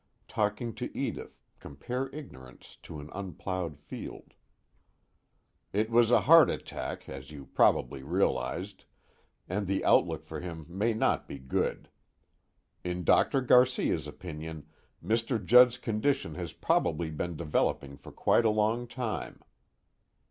(Talking to Edith, compare ignorance to an unplowed field.) "It was a heart attack, as you probably realized, and the outlook for him may not be good. In Dr. Garcia's opinion, Mr. Judd's condition has probably been developing for quite a long time."